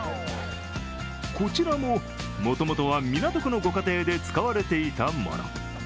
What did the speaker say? こちらも、もともとは港区のご家庭で使われていたもの。